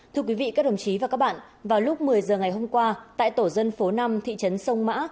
thưa quý vị các đồng chí và các bạn vào lúc một mươi giờ ngày hôm qua tại tổ dân phố năm thị trấn sông mã